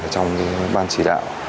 trong ban chỉ đạo